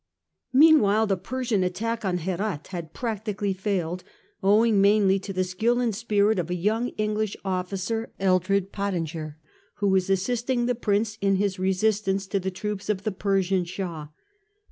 Meanwhile the Persian attack on Herat had prac tically failed, owing mainly to the skill and spirit of a young English officer, Eldred Pottinger, who was assisting the prince in his .resistance to the troops of the Persian Shah.